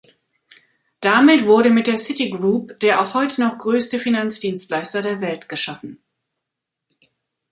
Damit wurde mit der "Citigroup" der auch heute noch größte Finanzdienstleister der Welt geschaffen.